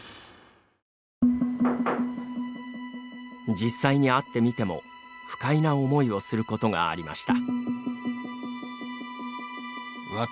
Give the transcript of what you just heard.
実際に会ってみても、不快な思いをすることがありました。